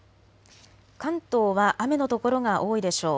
関東は雨の所が多いでしょう。